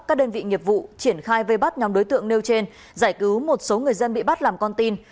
các đơn vị nghiệp vụ triển khai vây bắt nhóm đối tượng nêu trên giải cứu một số người dân bị bắt làm con tin